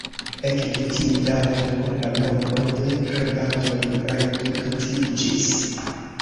Ekde tiu dato la nombro de kredantoj reduktiĝis.